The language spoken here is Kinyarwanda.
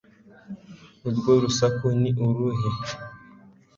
urwo rusaku ni uruhe